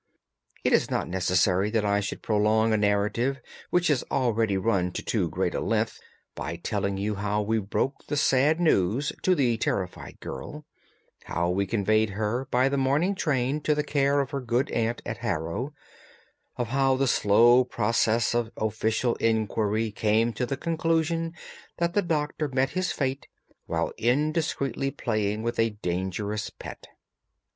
It is not necessary that I should prolong a narrative which has already run to too great a length by telling how we broke the sad news to the terrified girl, how we conveyed her by the morning train to the care of her good aunt at Harrow, of how the slow process of official inquiry came to the conclusion that the doctor met his fate while indiscreetly playing with a dangerous pet.